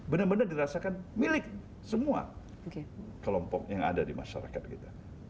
benar benar dirasakan milik semua kelompok yang ada di masyarakat kita